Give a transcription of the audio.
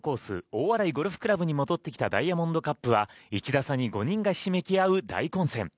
大洗ゴルフ倶楽部に戻ってきたダイヤモンドカップは１打差に５人がひしめき合う大混戦。